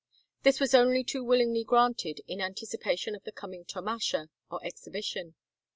This was only too willingly granted in anticipation of the coming tomasha, or exhibition.